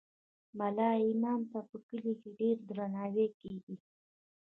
ملا امام ته په کلي کې ډیر درناوی کیږي.